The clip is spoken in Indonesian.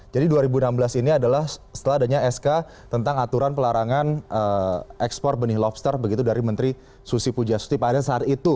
jadi dua ribu enam belas ini adalah setelah adanya sk tentang aturan pelarangan ekspor benih lobster begitu dari menteri susi pujasuti pada saat itu